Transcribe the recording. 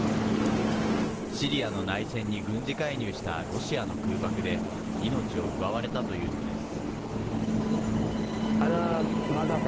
シリアの内戦に軍事介入したロシアの空爆で命を奪われたというのです。